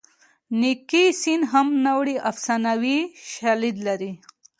نیکي سین هم نه وړي افسانوي شالید لري